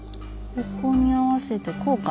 ここに合わせてこうか。